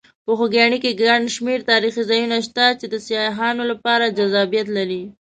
په خوږیاڼي کې ګڼ شمېر تاریخي ځایونه شته چې د سیاحانو لپاره جذابیت لري.